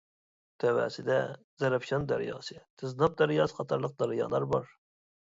تەۋەسىدە زەرەپشان دەرياسى، تىزناپ دەرياسى قاتارلىق دەريالار بار.